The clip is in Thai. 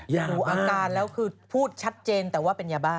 ดูอาการแล้วคือพูดชัดเจนแต่ว่าเป็นยาบ้า